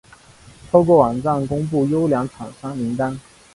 透过网站公布优良厂商名单